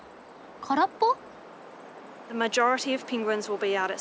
空っぽ？